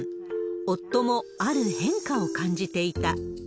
夫もある変化を感じていた。